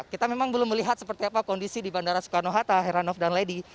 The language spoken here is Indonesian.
kita memang belum melihat seperti apa kondisi di bandara soekarno hatta heranov dan lady